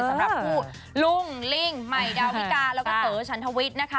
สำหรับผู้ลุงลิ่งใหม่ดาวิกาแล้วก็เต๋อฉันทวิทย์นะคะ